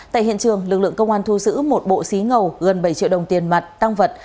tại hiện trường lực lượng công an thu giữ một bộ xí ngầu gần bảy triệu đồng tiền mặt tăng vật